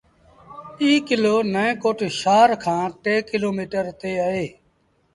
ايٚ ڪلو نئيٚن ڪوٽ شآهر کآݩ ٽي ڪلوميٚٽر تي اهي۔